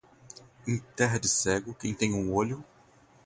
Em terra de cego, quem tem um olho